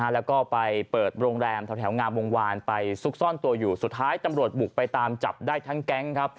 แล้วก็ไปเปิดโรงแรมแถวงามวงวานไปซุกซ่อนตัวอยู่สุดท้ายตำรวจบุกไปตามจับได้ทั้งแก๊งครับ